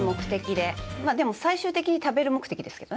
でも最終的に食べる目的ですけどね。